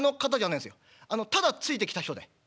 ただついてきた人だい」。